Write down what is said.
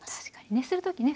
熱する時ね